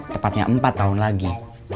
tepatnya empat tahun lagi